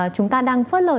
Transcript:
chúng ta đang phớt lời